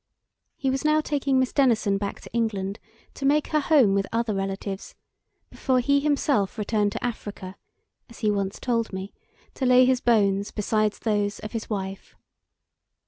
He was now taking Miss Denison back to England, to make her home with other relatives, before he himself returned to Africa (as he once told me) to lay his bones beside those of his wife.